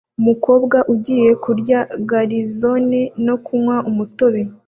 Umukobwa ugiye kurya garizone no kunywa umutobe